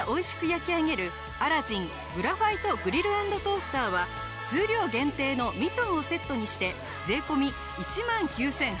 焼き上げるアラジングラファイトグリル＆トースターは数量限定のミトンをセットにして税込１万９８００円。